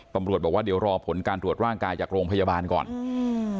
ตำรวจบอกว่าเดี๋ยวรอผลการตรวจร่างกายจากโรงพยาบาลก่อนอืม